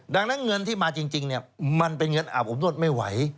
ดังนั้นเงินที่มาจริงมันเป็นเงินอาบอบนวดไม่ไหว